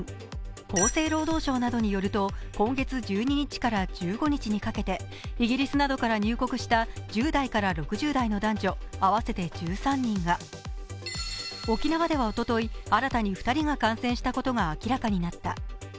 厚生労働省によると今月１２日から１５日にかけてイギリスなどから入国した１０代から６０代の男女合わせて１３人が沖縄では、おととい新たに２人が感染したことが明らかになった。